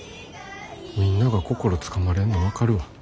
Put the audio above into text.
みんなが心つかまれんの分かるわ。